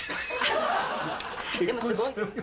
でもすごいです。